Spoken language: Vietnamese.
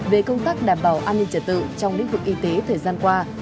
về công tác đảm bảo an ninh trật tự trong lĩnh vực y tế thời gian qua